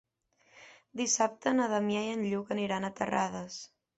Dissabte na Damià i en Lluc aniran a Terrades.